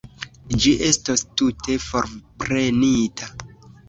Ĝi estos tute forprenita.